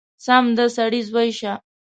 سم د سړي زوی شه!!!